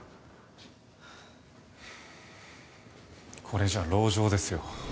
これじゃあ籠城ですよ。